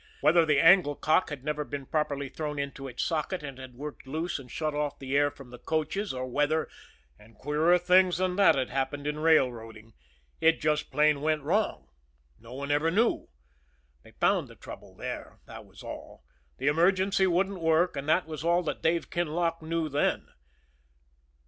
Whether the angle cock had never been properly thrown into its socket and had worked loose and shut off the "air" from the coaches, or whether and queerer things than that have happened in railroading it just plain went wrong, no one ever knew. They found the trouble there, that was all. The emergency wouldn't work; and that was all that Dave Kinlock knew then.